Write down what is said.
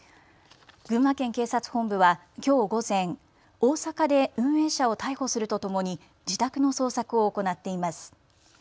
群馬県警察本部は、きょう午前、大阪で運営者を逮捕するとともに自宅の捜索を行っています。